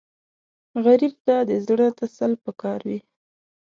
غریب ته د زړه تسل پکار وي